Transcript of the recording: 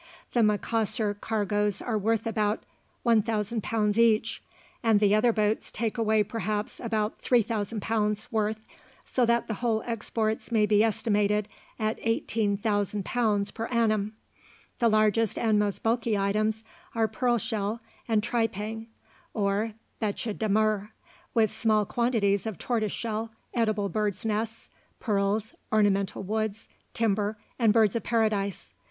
The Macassar cargoes are worth about £1,000. each, and the other boats take away perhaps about £3,000, worth, so that the whole exports may be estimated at £18,000. per annum. The largest and most bulky items are pearl shell and tripang, or "beche de mer," with smaller quantities of tortoise shell, edible birds' nests, pearls, ornamental woods, timber, and Birds of Paradise.